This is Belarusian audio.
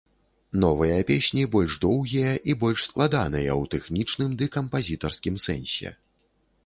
Новыя песні больш доўгія і больш складаныя ў тэхнічным ды кампазітарскім сэнсе.